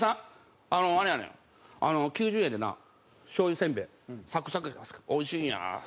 あれやねん９０円でなしょうゆせんべいサクサクでおいしいんや」。